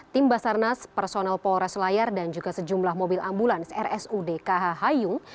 tim basarnas personel polres layar dan juga sejumlah mobil ambulans rsud kh hayung